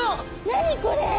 何これ！？